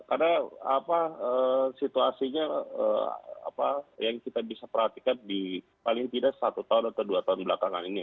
karena situasinya yang kita bisa perhatikan di paling tidak satu tahun atau dua tahun belakangan ini